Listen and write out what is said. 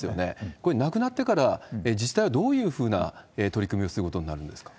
これ、なくなってから、自治体はどういうふうな取り組みをすることになるんですか？